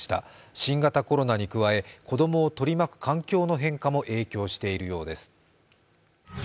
新型コロナに加え子供を取り巻く環境の変化も影響しているようです。